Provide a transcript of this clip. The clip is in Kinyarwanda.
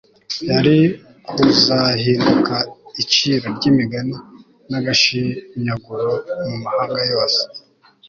yari kuzahinduka iciro ry'imigani n'agashinyaguro mu mahanga yose